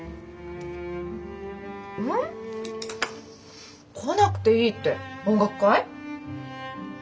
ん？来なくていいって音楽会？